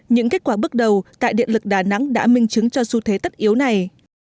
những kết quả bước đầu tại điện lực đà nẵng đã minh chứng cho xu thế tất yếu này